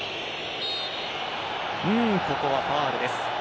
ここはファウルです。